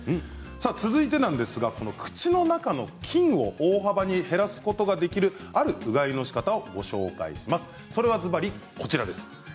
続いて口の中の菌を大幅に減らすことができるあるうがいのしかたをご紹介します。